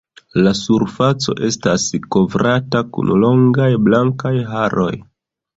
La surfaco estas kovrata kun longaj blankaj haroj.